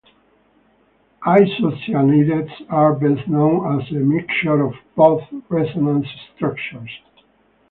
Isocyanides are best shown as a mixture of both resonance structures.